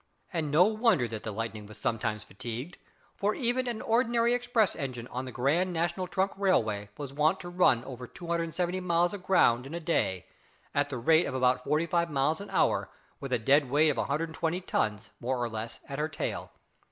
And no wonder that the Lightning was sometimes fatigued, for even an ordinary express engine on the Grand National Trunk Railway was wont to run over 270 miles of ground in a day, at the rate of about forty five miles an hour, and with a dead weight of 120 tons, more or less, at her tail.